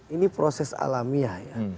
ini proses alamiah ya